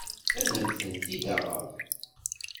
Ad am-tent-id-aɣeɣ.